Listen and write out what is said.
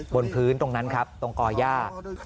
บนพื้นตรงนั้นครับตรงก่อย่า